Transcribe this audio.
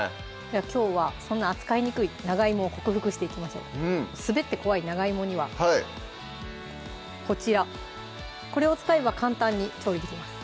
きょうはそんな扱いにくい長芋を克服していきましょう滑って怖い長芋にはこちらこれを使えば簡単に調理できます